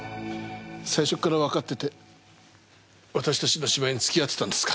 最初からわかってて私たちの芝居に付き合ってたんですか？